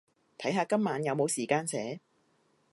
睇下今晚有冇時間寫